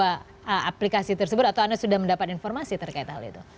apakah anda sudah mencoba aplikasi tersebut atau anda sudah mendapat informasi terkait hal itu